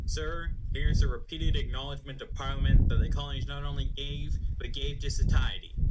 Sir, here is the repeated acknowledgment of Parliament that the Colonies not only gave, but gave to satiety.